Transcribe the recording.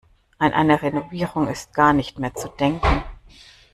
An eine Renovierung ist gar nicht mehr zu denken.